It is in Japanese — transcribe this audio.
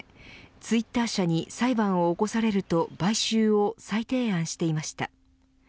ツイッター社に裁判を起こされると買収を再提案していました。